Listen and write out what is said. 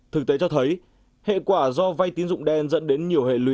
thực tế cho thấy hệ quả do vay tín dụng đen dẫn đến nhiều hệ lụy